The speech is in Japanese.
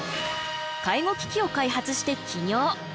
介護機器を開発して起業。